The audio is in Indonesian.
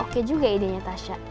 oke juga idenya tasya